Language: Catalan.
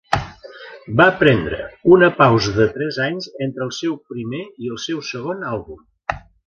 Va prendre una pausa de tres anys entre el seu primer i el seu segon àlbum.